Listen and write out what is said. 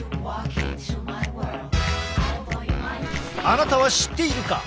あなたは知っているか？